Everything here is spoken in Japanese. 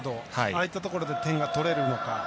ああいったところで点が取れるのか。